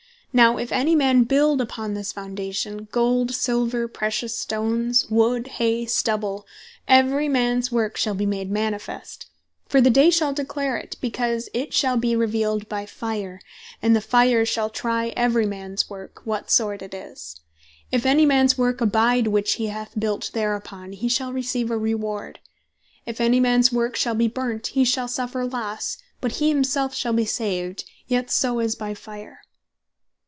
Now if any man build upon this Foundation, Gold, Silver, pretious Stones, Wood, Hay, Stubble; Every mans work shall be made manifest; For the Day shall declare it, because it shall be revealed by fire, and the fire shall try every mans work, of what sort it is. If any mans work abide, which he hath built thereupon, he shall receive a reward: If any mans work shall bee burnt, he shall suffer losse; but he himself shall be saved, yet so as by fire."